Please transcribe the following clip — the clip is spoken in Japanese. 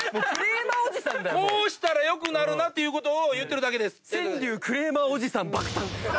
こうしたら良くなるなということを言ってるだけです。